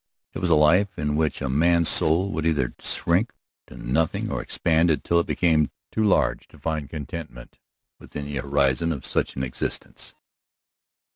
It was a life in which a man's soul would either shrink to nothing or expand until it became too large to find contentment within the horizon of such an existence.